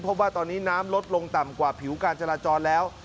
พบว่าตอนนี้น้ำลดลงต่ำกว่าผิวการจราจรแล้ว